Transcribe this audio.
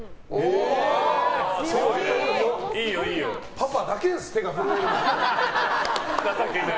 パパだけです、手が震えるの。